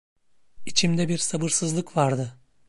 İçimde bir sabırsızlık vardı.